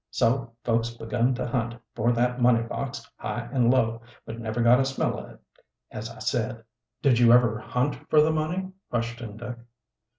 So folks begun to hunt for that money box high an' low, but never got a smell o' it, as I said." "Did you ever hunt for the money?" questioned Dick.